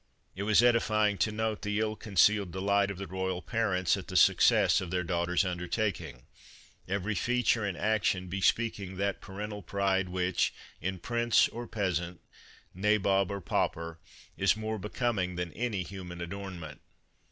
It was edifying to note the ill concealed delight of the royal parents at the success of their daughter's undertaking, every feature and action be speaking that parental pride which, in prince or peasant, nabob or pauper, is more becoming than any human adornment.